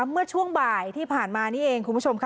เมื่อช่วงบ่ายที่ผ่านมานี่เองคุณผู้ชมค่ะ